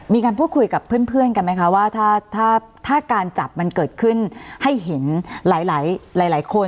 มีการพูดคุยกับเพื่อนกันไหมคะว่าถ้าการจับมันเกิดขึ้นให้เห็นหลายคน